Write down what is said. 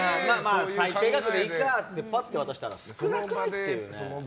最低額でいいかと思って渡したら少なくない？って。